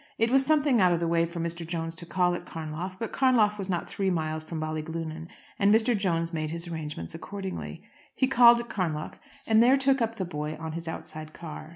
It was something out of the way for Mr. Jones to call at Carnlough; but Carnlough was not three miles from Ballyglunin, and Mr. Jones made his arrangements accordingly. He called at Carnlough, and there took up the boy on his outside car.